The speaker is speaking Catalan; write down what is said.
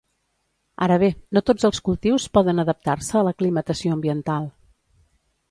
Ara bé, no tots els cultius poden adaptar-se a l'aclimatació ambiental.